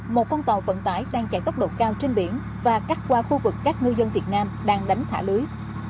một con tàu vận tải đang chạy tốc độ cao trên biển và cách qua khu vực các ngư dân việt nam đang đánh thả lưới